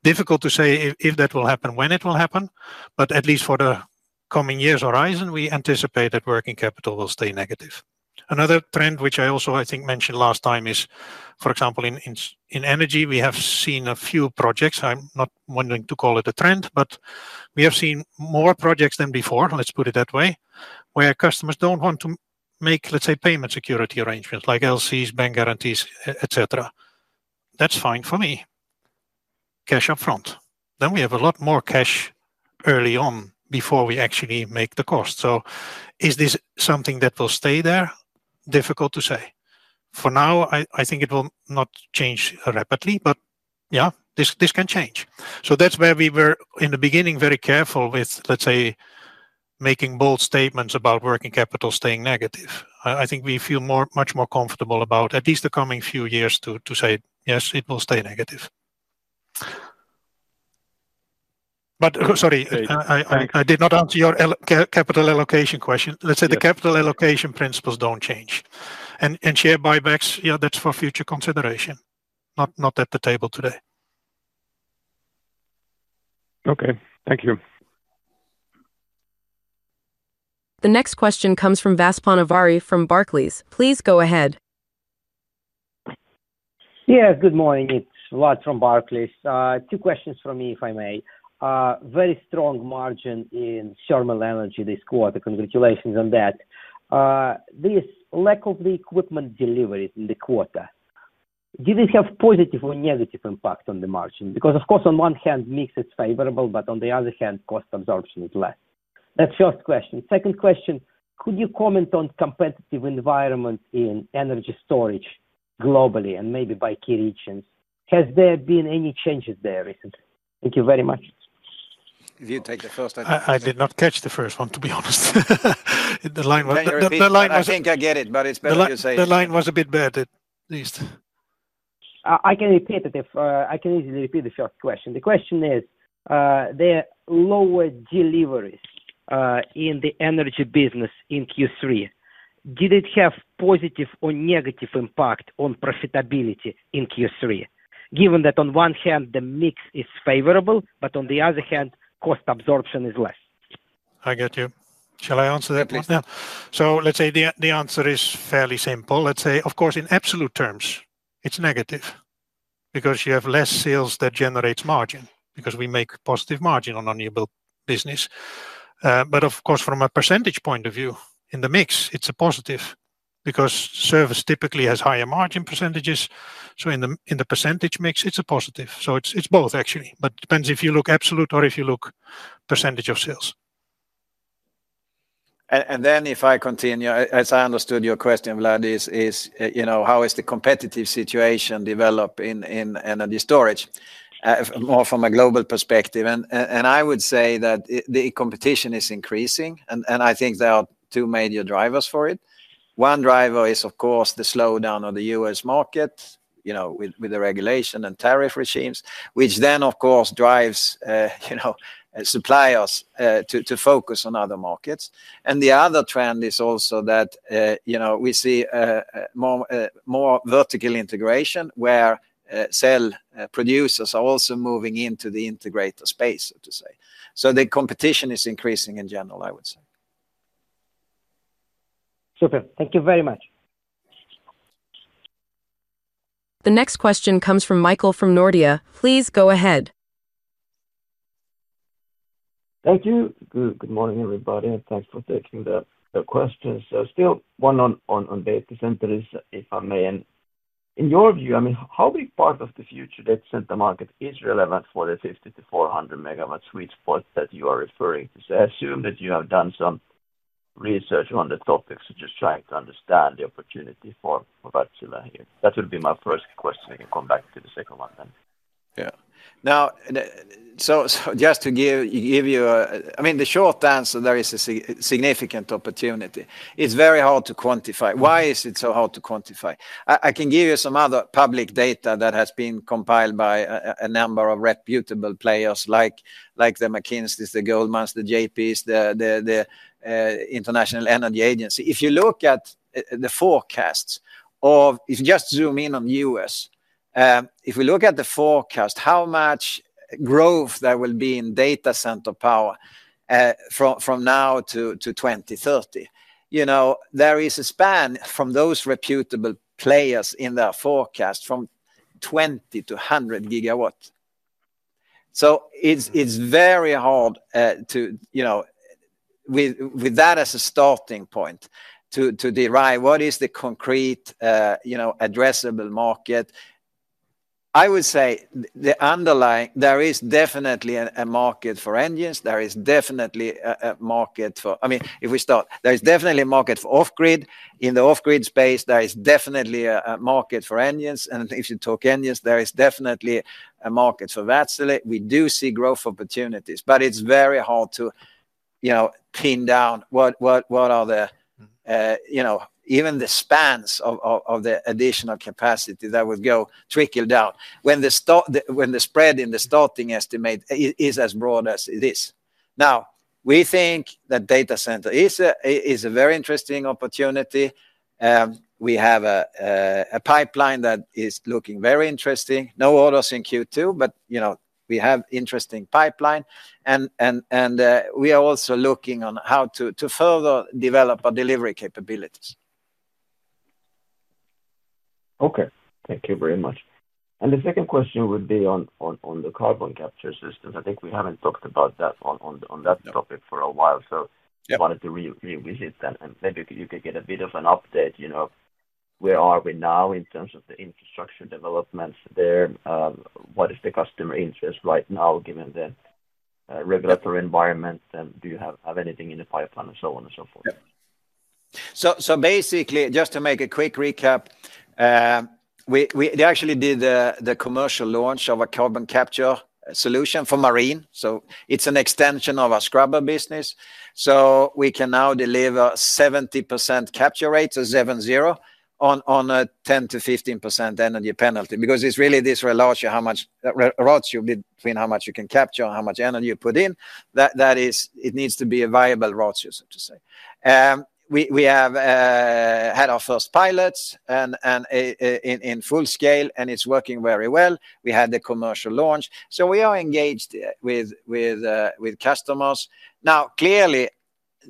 Difficult to say if that will happen, when it will happen, but at least for the coming year's horizon, we anticipate that working capital will stay negative. Another trend, which I also I think mentioned last time, is, for example, in energy, we have seen a few projects. I'm not wanting to call it a trend, but we have seen more projects than before, let's put it that way, where customers don't want to make payment security arrangements like LCs, bank guarantees, etc. That's fine for me. Cash up front. We have a lot more cash early on before we actually make the cost. Is this something that will stay there? Difficult to say. For now, I think it will not change rapidly, but yeah, this can change. That's where we were in the beginning very careful with making bold statements about working capital staying negative. I think we feel much more comfortable about at least the coming few years to say, yes, it will stay negative. Sorry, I did not answer your capital allocation question. The capital allocation principles don't change. Share buybacks, yeah, that's for future consideration. Not at the table today. Okay, thank you. The next question comes from Vaspaan Avari from Barclays. Please go ahead. Good morning. It's Vaspaan Avari from Barclays. Two questions for me, if I may. Very strong margin in thermal energy this quarter. Congratulations on that. This lack of the equipment delivery in the quarter, did it have positive or negative impact on the margin? Because, of course, on one hand, mix is favorable, but on the other hand, cost absorption is less. That's the first question. Second question, could you comment on the competitive environment in energy storage globally and maybe by key regions? Has there been any changes there recently? Thank you very much. If you take the first. I did not catch the first one, to be honest. The line was. I think I get it, but it's better to say. The line was a bit buried, at least. I can repeat the first question. The question is, the lower deliveries in the energy business in Q3, did it have positive or negative impact on profitability in Q3, given that on one hand, the mix is favorable, but on the other hand, cost absorption is less? I got you. Shall I answer that now? Yes. The answer is fairly simple. Of course, in absolute terms, it's negative because you have less sales that generate margin because we make positive margin on our new build business. Of course, from a percentage point of view in the mix, it's a positive because service typically has higher margin %. In the percentage mix, it's a positive. It's both actually, but it depends if you look absolute or if you look percentage of sales. If I continue, as I understood your question, Vaspaan, how has the competitive situation developed in energy storage more from a global perspective? I would say that the competition is increasing, and I think there are two major drivers for it. One driver is, of course, the slowdown of the U.S. market, you know, with the regulation and tariff regimes, which, of course, drives suppliers to focus on other markets. The other trend is also that we see more vertical integration where cell producers are also moving into the integrator space, so to say. The competition is increasing in general, I would say. Super. Thank you very much. The next question comes from Michael from Nordea. Please go ahead. Thank you. Good morning, everybody, and thanks for taking the question. One on data centers, if I may. In your view, I mean, how big part of the future data center market is relevant for the 50 to 400 MW sweet spot that you are referring to? I assume that you have done some research on the topics, just trying to understand the opportunity for Wärtsilä here. That would be my first question. We can come back to the second one then. Yeah. Now, just to give you, I mean, the short answer, there is a significant opportunity. It's very hard to quantify. Why is it so hard to quantify? I can give you some other public data that has been compiled by a number of reputable players like the McKinseys, the Goldmans, the JPs, the International Energy Agency. If you look at the forecasts of, if you just zoom in on the U.S., if we look at the forecast, how much growth there will be in data center power from now to 2030, there is a span from those reputable players in their forecast from 20 to 100 GW. It's very hard to, with that as a starting point, derive what is the concrete, addressable market. I would say the underlying, there is definitely a market for engines. There is definitely a market for, I mean, if we start, there is definitely a market for off-grid. In the off-grid space, there is definitely a market for engines. If you talk engines, there is definitely a market for Wärtsilä. We do see growth opportunities, but it's very hard to pin down what are the, even the spans of the additional capacity that would go trickle down when the spread in the starting estimate is as broad as it is. Now, we think that data center is a very interesting opportunity. We have a pipeline that is looking very interesting. No orders in Q2, but we have an interesting pipeline. We are also looking on how to further develop our delivery capabilities. Okay, thank you very much. The second question would be on the carbon capture solution. I think we haven't talked about that topic for a while. I wanted to revisit that. Maybe you could get a bit of an update, you know, where are we now in terms of the infrastructure developments there? What is the customer interest right now given the regulatory environment? Do you have anything in the pipeline and so on and so forth? Basically, just to make a quick recap, we actually did the commercial launch of a carbon capture solution for marine. It is an extension of our scrubber business. We can now deliver 70% capture rate, so 7.0, on a 10%-15% energy penalty. It is really this relationship between how much you can capture and how much energy you put in. It needs to be a viable road user, to say. We have had our first pilots in full scale, and it is working very well. We had the commercial launch. We are engaged with customers. Clearly,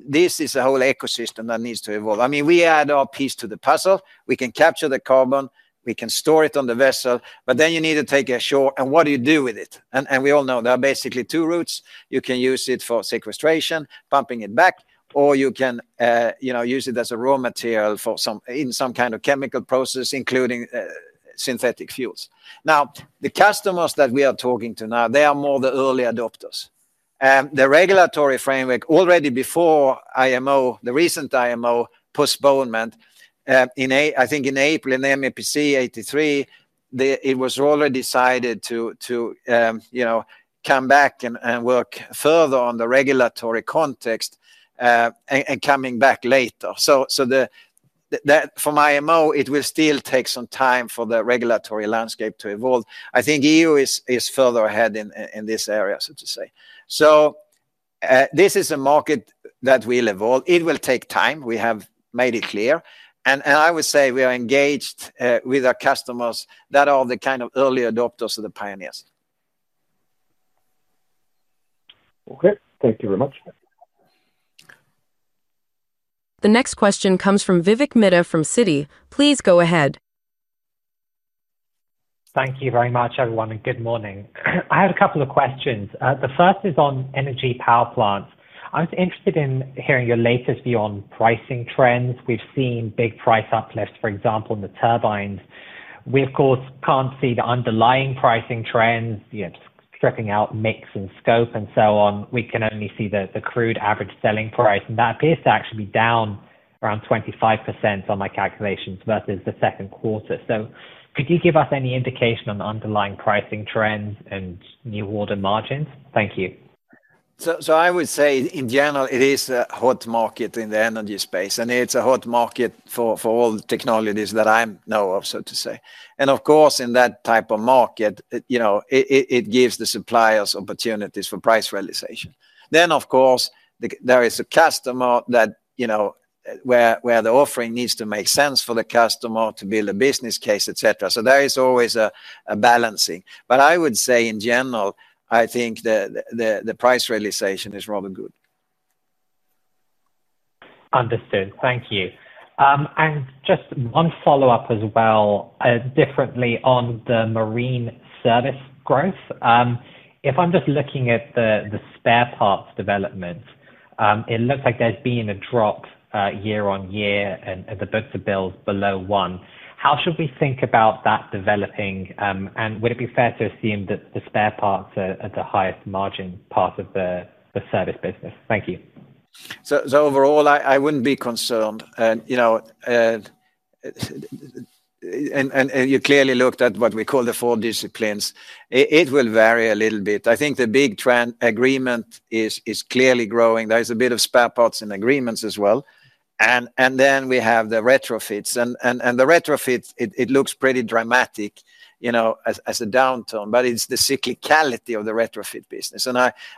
this is a whole ecosystem that needs to evolve. I mean, we add our piece to the puzzle. We can capture the carbon. We can store it on the vessel. Then you need to take it ashore, and what do you do with it? We all know there are basically two routes. You can use it for sequestration, pumping it back, or you can use it as a raw material for some kind of chemical process, including synthetic fuels. The customers that we are talking to now are more the early adopters. The regulatory framework already before IMO, the recent IMO postponement, I think in April in MEPC 83, it was already decided to come back and work further on the regulatory context and coming back later. For IMO, it will still take some time for the regulatory landscape to evolve. I think EU is further ahead in this area, so to say. This is a market that will evolve. It will take time. We have made it clear. I would say we are engaged with our customers that are the kind of early adopters or the pioneers. Okay, thank you very much. The next question comes from Vivek Midha from Citi. Please go ahead. Thank you very much, everyone, and good morning. I had a couple of questions. The first is on energy power plants. I was interested in hearing your latest view on pricing trends. We've seen big price uplifts, for example, in the turbines. We, of course, can't see the underlying pricing trends, stripping out mix and scope and so on. We can only see the crude average selling price, and that appears to actually be down around 25% on my calculations versus the second quarter. Could you give us any indication on underlying pricing trends and new order margins? Thank you. In general, it is a hot market in the energy space, and it's a hot market for all the technologies that I know of, so to say. Of course, in that type of market, it gives the suppliers opportunities for price realization. Of course, there is a customer where the offering needs to make sense for the customer to build a business case, etc. There is always a balancing. In general, I think the price realization is rather good. Understood. Thank you. Just one follow-up as well, differently on the marine service growth. If I'm just looking at the spare parts development, it looks like there's been a drop year on year and the book-to-bill is below one. How should we think about that developing? Would it be fair to assume that the spare parts are at the highest margin part of the service business? Thank you. Overall, I wouldn't be concerned. You clearly looked at what we call the four disciplines. It will vary a little bit. I think the big trend agreement is clearly growing. There's a bit of spare parts in agreements as well. Then we have the retrofits. The retrofits look pretty dramatic, you know, as a downturn, but it's the cyclicality of the retrofit business.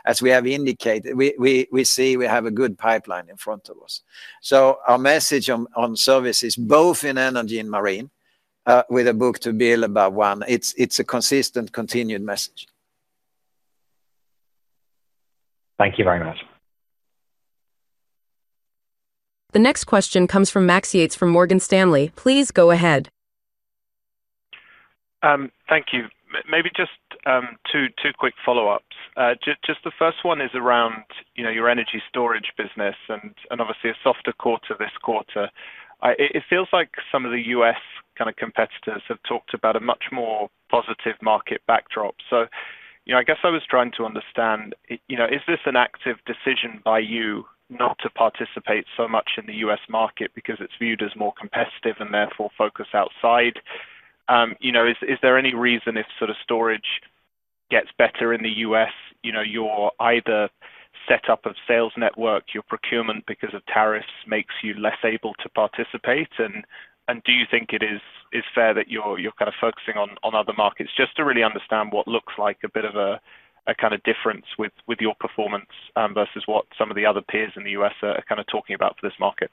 As we have indicated, we see we have a good pipeline in front of us. Our message on service is both in energy and marine, with a book-to-bill about one. It's a consistent continued message. Thank you very much. The next question comes from Max Yates from Morgan Stanley. Please go ahead. Thank you. Maybe just two quick follow-ups. The first one is around your energy storage business and obviously a softer quarter this quarter. It feels like some of the U.S. kind of competitors have talked about a much more positive market backdrop. I guess I was trying to understand, is this an active decision by you not to participate so much in the U.S. market because it's viewed as more competitive and therefore focus outside? Is there any reason if sort of storage gets better in the U.S., your either setup of sales network, your procurement because of tariffs makes you less able to participate? Do you think it is fair that you're kind of focusing on other markets just to really understand what looks like a bit of a kind of difference with your performance versus what some of the other peers in the U.S. are kind of talking about for this market?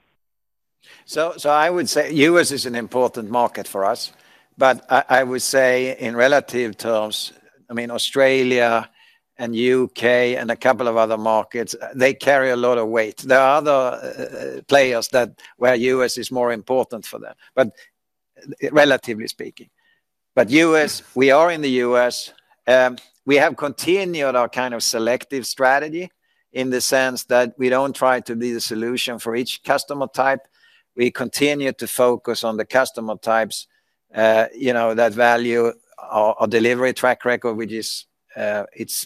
I would say the U.S. is an important market for us, but I would say in relative terms, Australia and the U.K. and a couple of other markets carry a lot of weight. There are other players where the U.S. is more important for them, relatively speaking. The U.S., we are in the U.S. We have continued our kind of selective strategy in the sense that we don't try to be the solution for each customer type. We continue to focus on the customer types that value our delivery track record, which is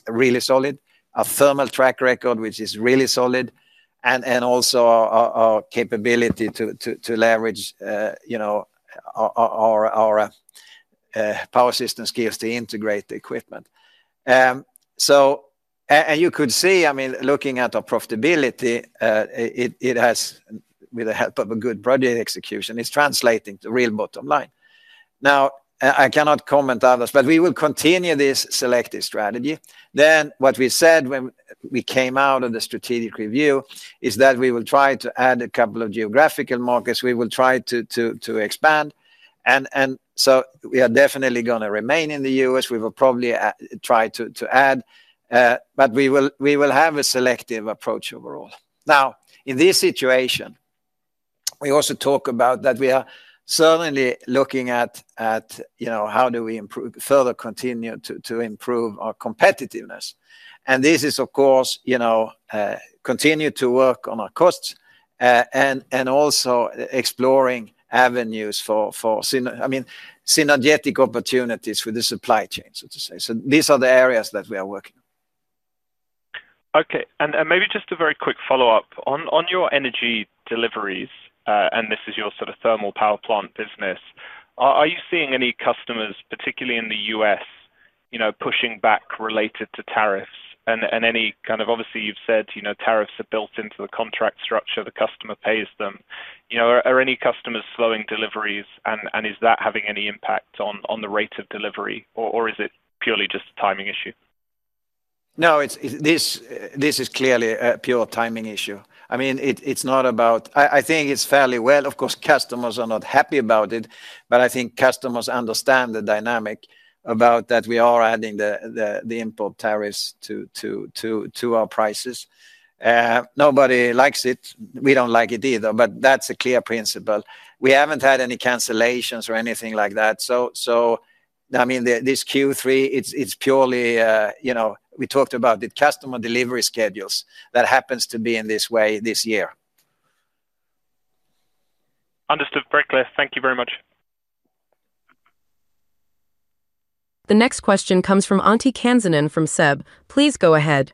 really solid, our thermal track record, which is really solid, and also our capability to leverage our power system skills to integrate the equipment. You could see, looking at our profitability, it has, with the help of a good project execution, it's translating to real bottom line. I cannot comment on others, but we will continue this selective strategy. What we said when we came out of the strategic review is that we will try to add a couple of geographical markets. We will try to expand. We are definitely going to remain in the U.S. We will probably try to add, but we will have a selective approach overall. In this situation, we also talk about that we are certainly looking at how do we further continue to improve our competitiveness. This is, of course, continue to work on our costs and also exploring avenues for synergetic opportunities with the supply chain, so to say. These are the areas that we are working on. Okay, maybe just a very quick follow-up on your energy deliveries, and this is your sort of thermal power plant business. Are you seeing any customers, particularly in the U.S., pushing back related to tariffs? Obviously, you've said tariffs are built into the contract structure. The customer pays them. Are any customers slowing deliveries, and is that having any impact on the rate of delivery, or is it purely just a timing issue? No, this is clearly a pure timing issue. I mean, it's not about, I think it's fairly well, of course, customers are not happy about it, but I think customers understand the dynamic that we are adding the import tariffs to our prices. Nobody likes it. We don't like it either, but that's a clear principle. We haven't had any cancellations or anything like that. This Q3, it's purely, you know, we talked about the customer delivery schedules that happen to be in this way this year. Understood. Very clear. Thank you very much. The next question comes from Antti Kansanen from SEB. Please go ahead.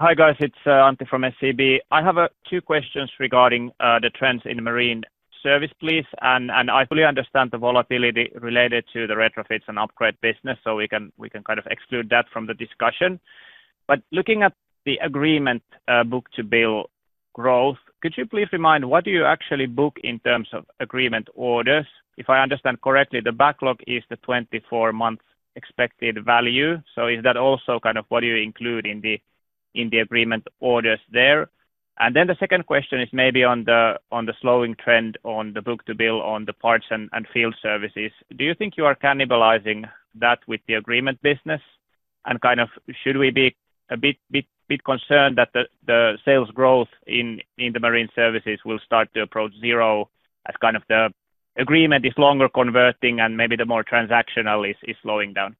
Hi guys, it's Antti from SEB. I have two questions regarding the trends in marine service, please. I fully understand the volatility related to the retrofits and upgrade business, so we can kind of exclude that from the discussion. Looking at the agreement book-to-bill growth, could you please remind what do you actually book in terms of agreement orders? If I understand correctly, the backlog is the 24 month expected value. Is that also kind of what do you include in the agreement orders there? The second question is maybe on the slowing trend on the book-to-bill on the parts and field services. Do you think you are cannibalizing that with the agreement business? Should we be a bit concerned that the sales growth in the marine services will start to approach zero as kind of the agreement is longer converting and maybe the more transactional is slowing down?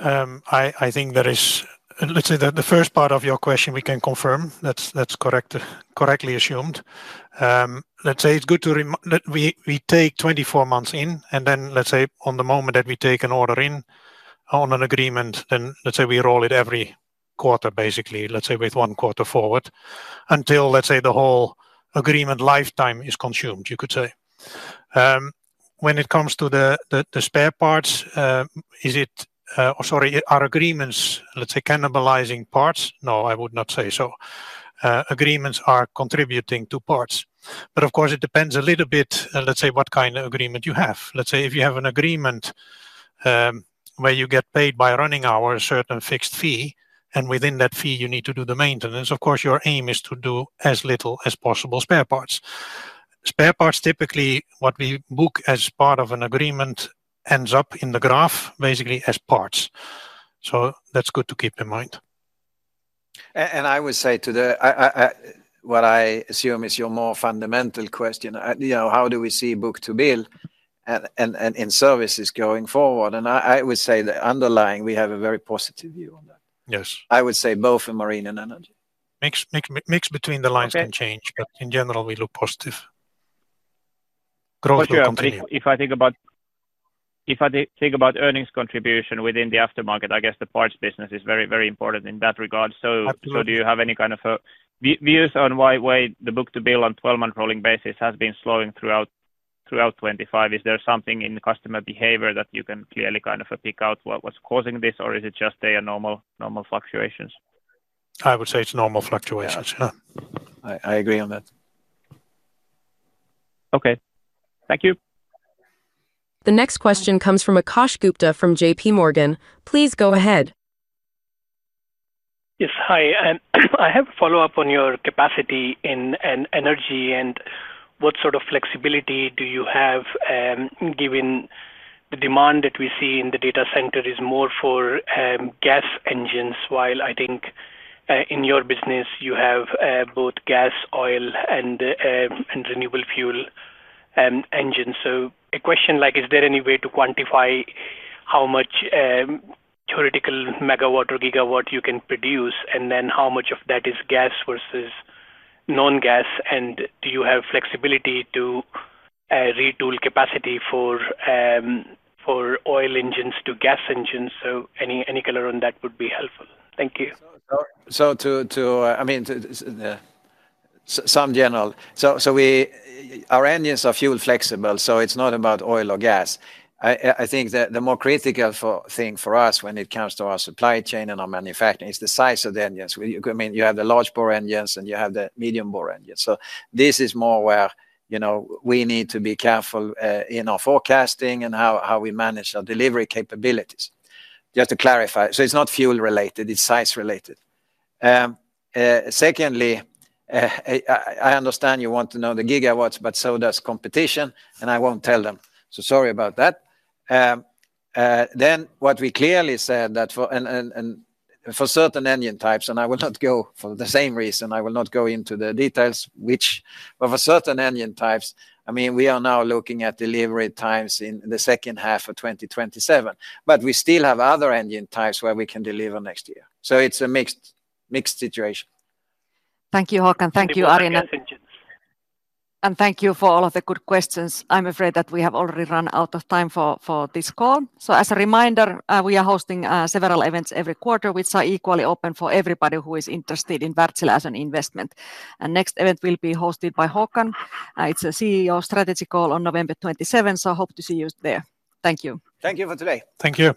I think there is, let's say, the first part of your question we can confirm that's correctly assumed. It's good to remember we take 24 months in and then on the moment that we take an order in on an agreement, we roll it every quarter, basically with one quarter forward until the whole agreement lifetime is consumed, you could say. When it comes to the spare parts, are agreements cannibalizing parts? No, I would not say so. Agreements are contributing to parts. Of course, it depends a little bit what kind of agreement you have. If you have an agreement where you get paid by running hours, a certain fixed fee, and within that fee, you need to do the maintenance, of course, your aim is to do as little as possible spare parts. Spare parts typically, what we book as part of an agreement ends up in the graph basically as parts. That's good to keep in mind. I would say to that, what I assume is your more fundamental question, you know, how do we see book-to-bill and in services going forward? I would say the underlying, we have a very positive view on that. Yes. I would say both in marine and energy. Mix between the lines can change, but in general, we look positive. Growth will continue. If I think about earnings contribution within the aftermarket, I guess the parts business is very, very important in that regard. Do you have any kind of views on why the book-to-bill on a 12-month rolling basis has been slowing throughout 2025? Is there something in customer behavior that you can clearly kind of pick out what's causing this, or is it just normal fluctuations? I would say it's normal fluctuations. I agree on that. Okay, thank you. The next question comes from Akash Gupta from JPMorgan. Please go ahead. Yes, hi. I have a follow-up on your capacity in energy and what sort of flexibility do you have given the demand that we see in the data center is more for gas engines, while I think in your business you have both gas, oil, and renewable fuel engines. A question like, is there any way to quantify how much theoretical megawatt or gigawatt you can produce, and then how much of that is gas versus non-gas, and do you have flexibility to retool capacity for oil engines to gas engines? Any color on that would be helpful. Thank you. To clarify, our engines are fuel flexible, so it's not about oil or gas. I think the more critical thing for us when it comes to our supply chain and our manufacturing is the size of the engines. You have the large bore engines and you have the medium bore engines. This is more where we need to be careful in our forecasting and how we manage our delivery capabilities. Just to clarify, it's not fuel related, it's size related. I understand you want to know the gigawatts, but so does competition, and I won't tell them. Sorry about that. What we clearly said is that for certain engine types, and I will not go into the details for the same reason, but for certain engine types, we are now looking at delivery times in the second half of 2027. We still have other engine types where we can deliver next year. It's a mixed situation. Thank you, Håkan. Thank you, Arjen. Thank you for all of the good questions. I'm afraid that we have already run out of time for this call. As a reminder, we are hosting several events every quarter, which are equally open for everybody who is interested in Wärtsilä as an investment. The next event will be hosted by Håkan. It's a CEO strategy call on November 27th. I hope to see you there. Thank you. Thank you for today. Thank you.